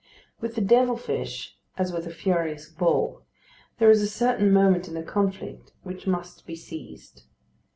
With the devil fish, as with a furious bull, there is a certain moment in the conflict which must be seized.